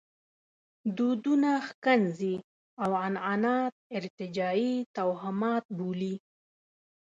دودونه ښکنځي او عنعنات ارتجاعي توهمات بولي.